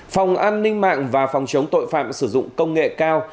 phòng an ninh mạng và phòng chống tội phạm sử dụng công nghệ cao